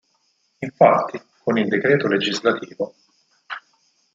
Infatti, con il D. Lgs.